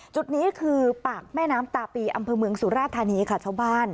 จุดนี้คือปากแม่น้ำตาปีอำเภอเมืองสูราชทันีย์ค่ะ